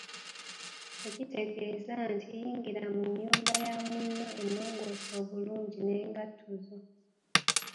Tekitegeeza nti yingira mu nju ya munno ennongoose obulungi n’engatto zo.